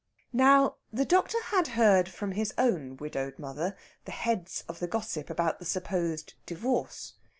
Now, the doctor had heard from his own widowed mother the heads of the gossip about the supposed divorce.